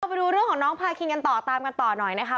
ไปดูเรื่องของน้องพาคินกันต่อตามกันต่อหน่อยนะคะ